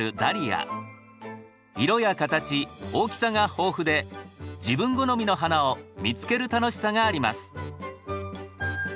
色や形大きさが豊富で自分好みの花を見つける楽しさがあります。